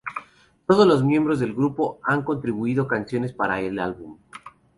Todos los miembros del grupo han contribuido canciones para el álbum.